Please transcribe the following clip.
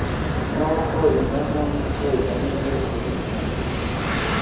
n uko ingana n icyo igamije buri murimo